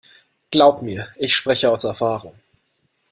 Glaub mir, ich spreche aus Erfahrung.